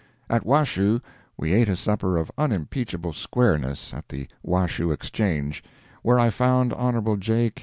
At Washoe we ate a supper of unimpeachable squareness at the Washoe Exchange, where I found Hon. J.